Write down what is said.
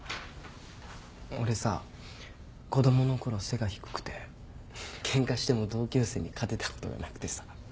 俺さ子供のころ背が低くてケンカしても同級生に勝てたことがなくてさ。